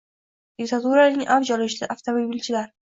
Diktaturaning avj olishida avtomobilchilar: